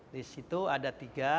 di situ ada tiga